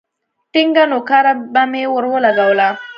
ټينگه نوکاره به مې ورولگوله.